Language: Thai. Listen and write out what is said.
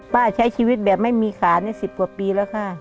ใช้ชีวิตแบบไม่มีขาใน๑๐กว่าปีแล้วค่ะ